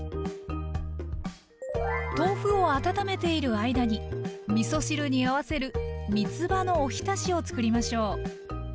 豆腐を温めている間にみそ汁に合わせるみつばのおひたしをつくりましょう。